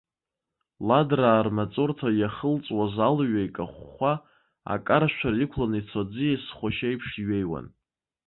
Ладраа рмаҵурҭа иахылҵуаз алҩа икахәхәа, акаршәра иқәланы ицо аӡиас хәашьы еиԥш иҩеиуан.